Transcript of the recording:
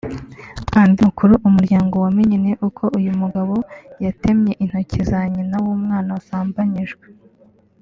Andi makuru Umuryango wamenye ni uko uyu mugabo yatemye intoki za nyina w’ umwana wasambanyijwe